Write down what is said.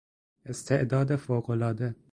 استعداد فوقالعاده